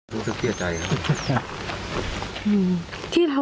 รู้สึกเสียใจครับ